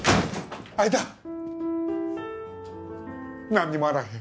なんにもあらへん。